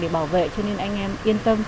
để bảo vệ cho nên anh em yên tâm